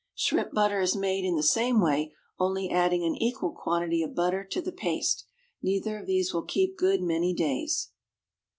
Shrimp butter is made in the same way, only adding an equal quantity of butter to the paste. Neither of these will keep good many days.